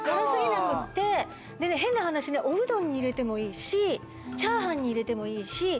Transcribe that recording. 変な話おうどんに入れてもいいしチャーハンに入れてもいいし。